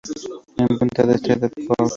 En Punta del Este, Dpto.